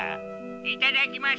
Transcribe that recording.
いただきます。